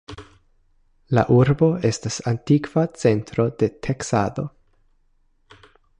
La urbo estas antikva centro de teksado.